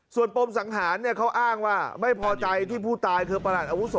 ส่วนปมสังหารเขาอ้างว่าไม่พอใจที่ผู้ตายคือประหลัดอาวุโส